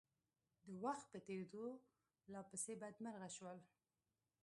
د وخت په تېرېدو لا پسې بدمرغه شول.